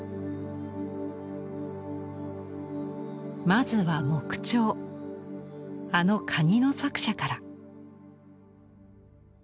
まずは木彫あのカニの作者から。